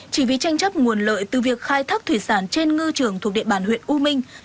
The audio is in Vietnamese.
chỉ vì tranh chấp nguồn lợi từ việc khai thác thủy sản trên ngư trường thuộc địa bàn huyện u minh